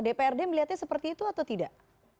dprd melihatnya seperti itu atau tidak